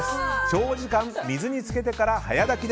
Ｃ、長時間水につけてから早炊き。